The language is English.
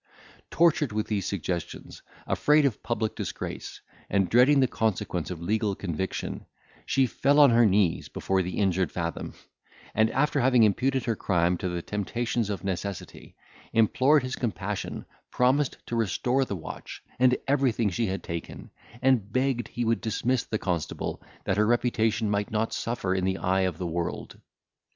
Tortured with these suggestions, afraid of public disgrace, and dreading the consequence of legal conviction, she fell on her knees before the injured Fathom, and, after having imputed her crime to the temptations of necessity, implored his compassion, promised to restore the watch, and everything she had taken, and begged he would dismiss the constable, that her reputation might not suffer in the eye of the world.